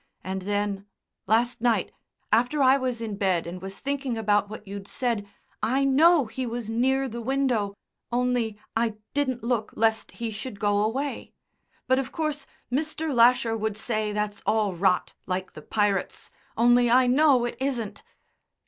And then last night, after I was in bed and was thinking about what you'd said I know he was near the window, only I didn't look lest he should go away. But of course Mr. Lasher would say that's all rot, like the pirates, only I know it isn't."